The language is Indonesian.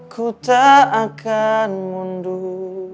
ku tak akan mundur